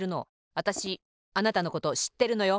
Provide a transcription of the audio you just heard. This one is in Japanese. わたしあなたのことしってるのよ。